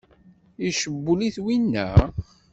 Icewwel-it winna?